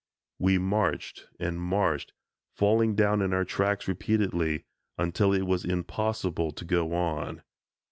We marched and marched, falling down in our tracks repeatedly, until it was impossible to go on.